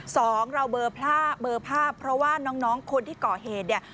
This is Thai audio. สองเราเบลอภาพเบลอภาพเพราะว่าน้องคนที่เกาะเหตุเนี่ย